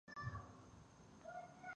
مورغاب سیند د افغانانو د ګټورتیا برخه ده.